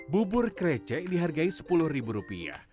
bubur krecek dihargai sepuluh rupiah